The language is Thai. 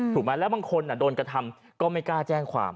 แล้วบางคนโดนกระทำก็ไม่กล้าแจ้งความ